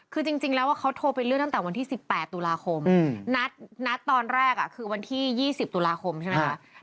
คือจริงแล้วเขาโทรไปเลื่อนตั้งแต่วันที่๑๘ตุลาคมนัดตอนแรกคือวันที่๒๐ตุลาคมใช่ไหมคะ